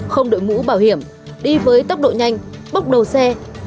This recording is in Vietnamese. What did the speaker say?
không đội mũ bảo hiểm đi với tốc độ nhanh bốc đầu xe